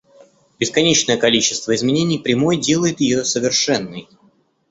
Бесконечное количество изменений прямой делает её совершенной.